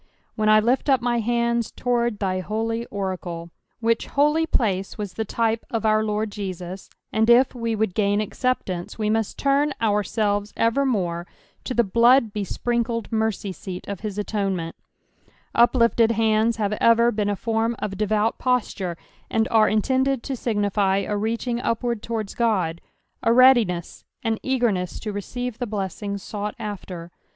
" When I l{fl up my hande toaard thy holy orade :'■' which holy place was the type of our Lord Jesus ; and if we would gain acceptance, wc must turn ourselves evermore to the blood bespriokled mercy seat ol his atone ment Uplifted hands have ever beeo a form of devout posture, and are in tended to signify a reaching upwaM towards God, a readiness, an eagerness to receive the blessing sought after.